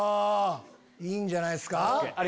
いいんじゃないっすか！